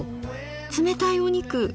冷たいお肉。